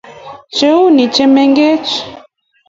cheune chimeche